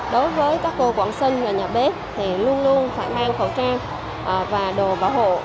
đối với các cô quản sinh và nhà bếp thì luôn luôn phải mang khẩu trang và đồ bảo hộ